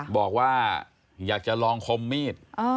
บอกว่าอยากจะลองคมมีด